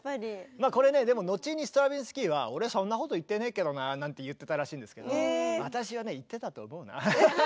まあこれねでも後にストラヴィンスキーは俺そんなこと言ってねえけどななんて言ってたらしいんですけど私はね言ってたと思うな。